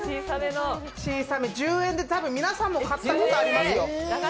１０円で多分、皆さんも買ったことありますよ。